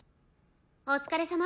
お疲れさま。